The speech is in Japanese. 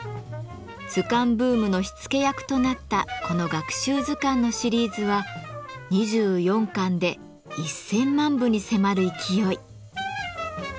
図鑑ブームの火付け役となったこの学習図鑑のシリーズは２４巻で１，０００万部に迫る勢い。